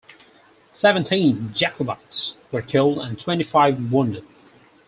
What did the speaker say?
Seventeen Jacobites were killed and twenty-five wounded.